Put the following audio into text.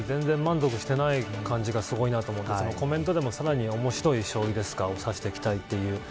八冠で全然満足していない感じがすごいなと思うんですけどコメントでも、さらに面白い将棋を指していきたいという。